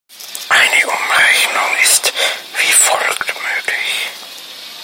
Eine Umrechnung ist wie folgt möglich.